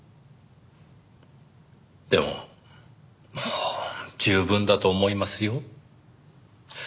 でももう十分だと思いますよ。